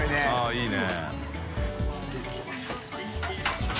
いいね。